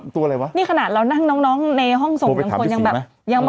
ตัวอะไรวะนี่ขนาดเรานั่งน้องน้องในห้องส่งโทรไปถามพี่ศรีไหมอย่างคน